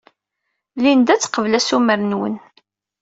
Linda ad teqbel assumer-nwen.